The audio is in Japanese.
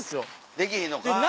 できへんのかい。